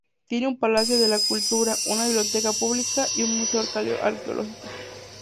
Tiene un palacio de la cultura, una biblioteca pública y un museo arqueológico.